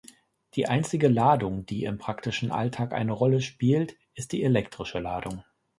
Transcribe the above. Die einzige Ladung, die im praktischen Alltag eine Rolle spielt, ist die elektrische Ladung.